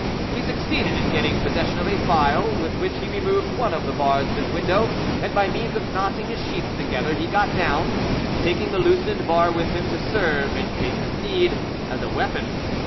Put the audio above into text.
He succeeded in getting possession of a file with which he removed one of the bars of his window, and by means of knotting his sheets together, he got down, taking the loosened bar with him to serve, in case of need, as a weapon.